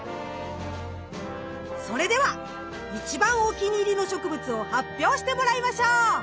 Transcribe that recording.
それでは一番お気に入りの植物を発表してもらいましょう！